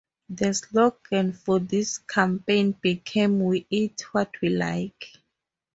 The slogan for this campaign became "We eat what we like".